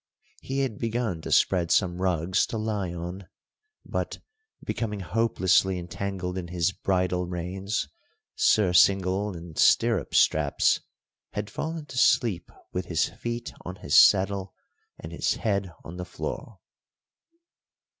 He had begun to spread some rugs to lie on, but, becoming hopelessly entangled in his bridle reins, surcingle, and stirrup straps, had fallen to sleep with his feet on his saddle and his head on the floor.